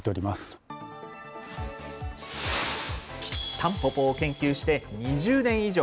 タンポポを研究して２０年以上。